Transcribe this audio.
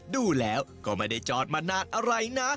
ดูแล้วก็ไม่ได้จอดมานานอะไรนะ